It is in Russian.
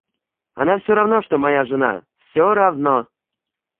Она всё равно что моя жена, всё равно.